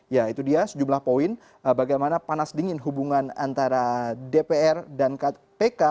ya itu dia sejumlah poin bagaimana panas dingin hubungan antara dpr dan kpk